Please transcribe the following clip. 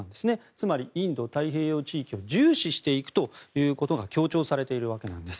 つまり、インド太平洋地域を重視していくということが強調されているわけなんです。